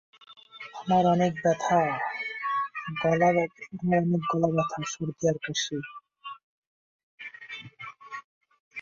আমার অনেক গলা ব্যথা, সর্দি আর কাশি।